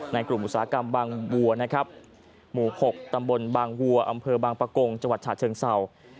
กลุ่มอุตสาหกรรมบางบัวนะครับหมู่๖ตำบลบางวัวอำเภอบางประกงจังหวัดฉะเชิงเศร้า